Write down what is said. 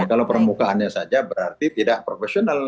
kalau permukaannya saja berarti tidak profesional